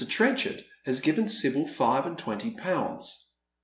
Trenchard has given Sibyl five and twenty pounds.